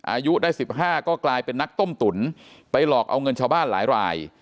อายุได้๑๕ก็กลายเป็นนักต้มตุ๋นไปหลอกเอาเงินชาวบ้านหลายราย